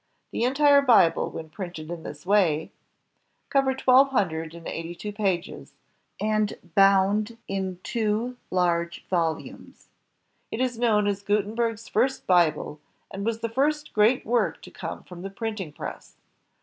The entire Bible, when printed in this way, covered 204 INVENTIONS OF PRINTING .VND COMMUNICATION twelve hundred and eighty two pages, and was bound in two large volumes. It is known as Gutenberg's first Bible, and was the first great work to come from the printing press.